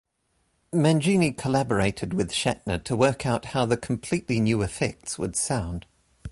Mangini collaborated with Shatner to work out how the completely new effects would sound.